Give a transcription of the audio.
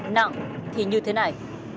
nặng thì như thế này